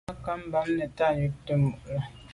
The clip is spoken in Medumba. Nə̀ cǎ ú rə̀ bɑ́mə́ nə̀tâ ncûptə̂ mû’ bə̀.